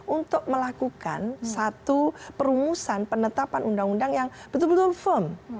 untuk melakukan satu perumusan penetapan undang undang yang betul betul firm